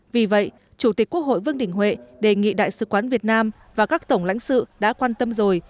vì vậy chủ tịch quốc hội vương đình huệ đề nghị đại sứ quán việt nam và các tổng lãnh sự đã quan tâm rồi